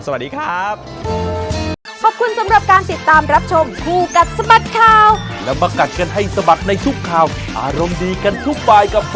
สวัสดีครับ